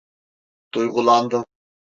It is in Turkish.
Duygulandım.